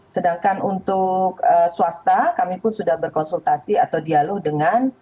sedangkan untuk swasta kami pun sudah berkonsultasi atau dialog dengan